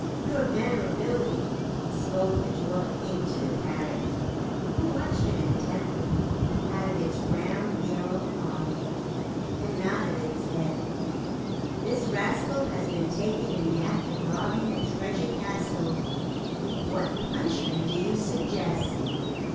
"Your Venerability," spoke the Dwarf King to the parrot, who watched him intently out of its round yellow eye, and nodded its head, "this rascal has been taken in the act of robbing the treasure castle. What punishment do you suggest?"